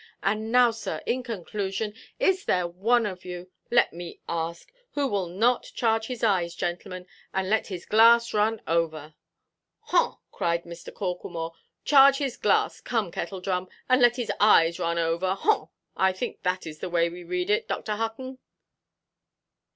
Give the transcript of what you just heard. And now, sir, in conclusion, is there one of you, let me ask, who will not charge his eyes, gentlemen, and let his glass run over——" "Haw," cried Mr. Corklemore, "charge his glass, come, Kettledrum, and let his eyes run over—haw—I think that is the way we read it, Dr. Hutton."